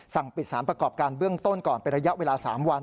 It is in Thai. สั่งปิดสารประกอบการเบื้องต้นก่อนเป็นระยะเวลา๓วัน